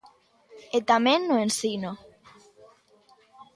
E tamén no ensino.